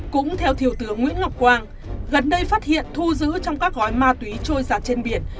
cũng theo thiều tướng nguyễn ngọc quang gần đây phát hiện thu giữ trong các gói ma túy trôi giảt trên biển